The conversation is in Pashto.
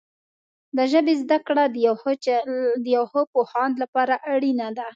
د ژبې زده کړه د یو ښه پوهاند لپاره اړینه ده.